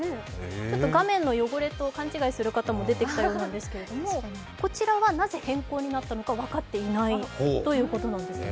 画面の汚れと勘違いする方も出てきたようなんですけれども、こちらはなぜ変更になったのか分かっていないということなんですね。